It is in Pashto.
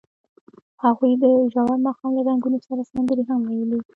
هغوی د ژور ماښام له رنګونو سره سندرې هم ویلې.